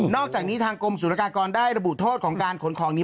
อกจากนี้ทางกรมศูนยากากรได้ระบุโทษของการขนของนี้